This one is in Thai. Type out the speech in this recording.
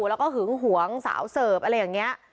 แล้วก็หึงหวงสาวเสิร์ฟอะไรอย่างนี้